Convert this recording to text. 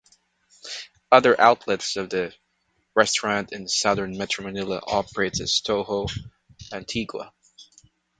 Other outlets of the restaurant in southern Metro Manila operates as Toho Antigua.